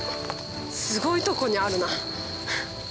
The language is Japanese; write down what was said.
すごいとこにあるな。